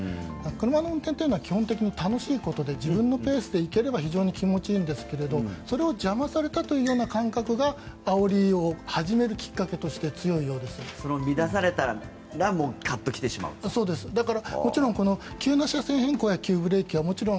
車の運転は基本的に楽しいことで自分のペースで行ければ非常に気持ちいいんですがそれを邪魔されたというような感覚があおりを始めるきっかけとしてそれを乱されたらもう急な車線変更や急ブレーキはもちろん